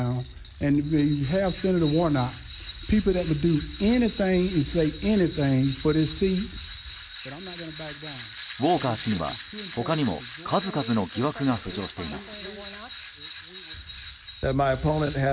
ウォーカー氏には他にも数々の疑惑が浮上しています。